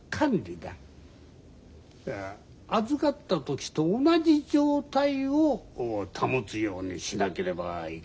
預かった時と同じ状態を保つようにしなければいけない。